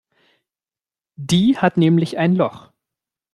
Die hat nämlich ein Loch.